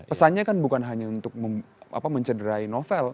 pesannya kan bukan hanya untuk mencederai novel